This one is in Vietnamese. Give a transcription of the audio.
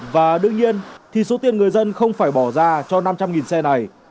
và đương nhiên thì số tiền người dân không phải bỏ ra cho năm trăm linh xe này